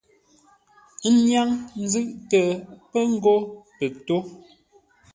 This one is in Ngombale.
Ə́ nyáŋ nzʉ́ʼtə pə ngó pə tó.